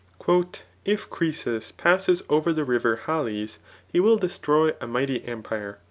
" If Croesus passes ovj&r the river Halys, he will destroy a mighty empire."